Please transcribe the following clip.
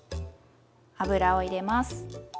油を入れます。